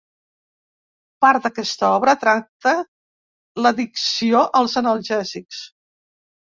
Part d'aquesta obra tracta l'addicció als analgèsics.